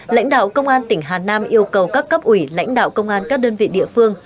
lãnh đạo công an tỉnh hà nam yêu cầu các cấp ủy lãnh đạo công an các đơn vị địa phương